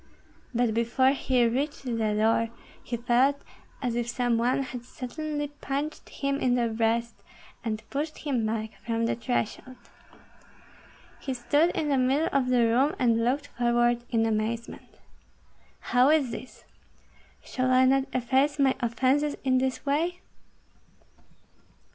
But before he reached the door he felt as if some one had suddenly punched him in the breast and pushed him back from the threshold. He stood in the middle of the room, and looked forward in amazement. "How is this? Shall I not efface my offences in this way?"